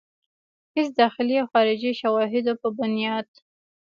هيڅ داخلي او خارجي شواهدو پۀ بنياد